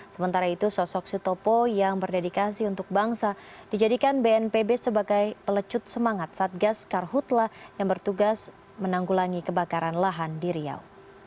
sementara itu sosok sutopo yang berdedikasi untuk bangsa dijadikan bnpb sebagai pelecut semangat satgas karhutlah yang bertugas menanggulangi kebakaran lahan di riau